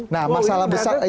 nah masalah besar